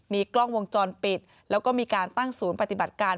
มีกล้องวงจรปิดแล้วก็มีการตั้งศูนย์ปฏิบัติการ